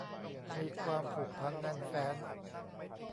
มีความผูกพันแน่นแฟ้น